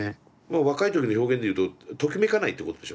若い時の表現で言うとときめかないってことでしょ？